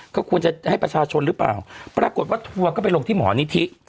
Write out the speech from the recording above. ก็ควรจะให้ประชาชนหรือเปล่าปรากฏว่าทัวร์ก็ไปลงที่หมอนิธิ